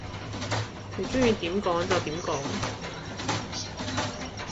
你鍾意點講就點講